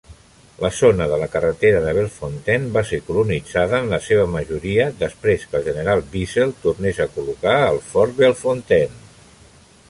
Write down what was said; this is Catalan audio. La zona de la carretera de Bellefontaine va ser colonitzada en la seva majoria després que el general Bissell tornés a col·locar el fort Bellefontaine.